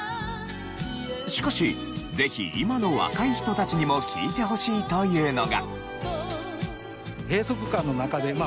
しかしぜひ今の若い人たちにも聴いてほしいというのが。